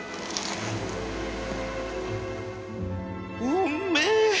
うんめえ